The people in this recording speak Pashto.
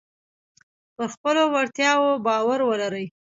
پر خپلو وړتیاو باور ولرئ.